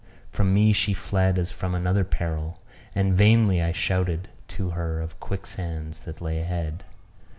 from me she fled as from another peril; and vainly I shouted to her of quicksands that lay ahead.